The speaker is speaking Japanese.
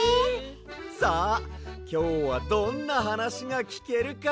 さあきょうはどんなはなしがきけるか。